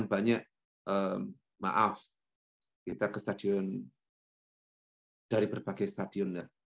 banyak maaf kita ke stadion dari berbagai stadion